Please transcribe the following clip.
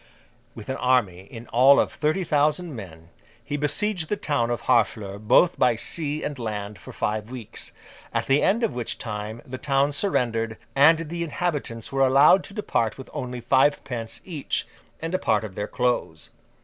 With an army in all of thirty thousand men, he besieged the town of Harfleur both by sea and land for five weeks; at the end of which time the town surrendered, and the inhabitants were allowed to depart with only fivepence each, and a part of their clothes.